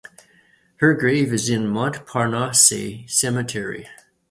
Her grave is in Montparnasse Cemetery.